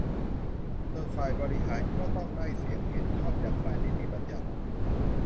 ส่วนฝ่ายบริหารก็ต้องได้เสียงเห็นชอบจากฝ่ายนิติบัญญัติ